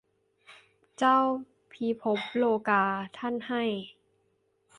เจ้าพิภพโลกา ท่านให้